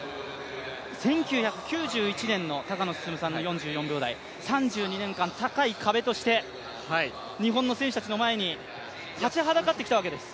１９９１年の高野進さんの４４秒台、３２年間、高い壁として日本の選手たちの前に立ちはだかってきたわけです。